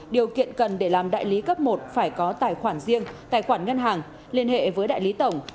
điều kiện cần để làm đại lý cấp một phải có tài khoản riêng tài khoản ngân hàng liên hệ với đại lý tổng